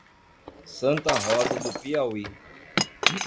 Santa Rosa do Piauí